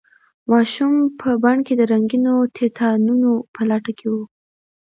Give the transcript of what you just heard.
ماشوم په بڼ کې د رنګینو تیتانانو په لټه کې و.